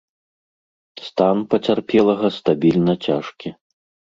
Стан пацярпелага стабільна цяжкі.